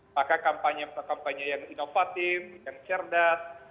maka kampanye kampanye yang inovatif yang cerdas